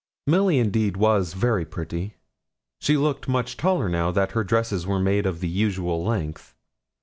Milly indeed was very pretty. She looked much taller now that her dresses were made of the usual length.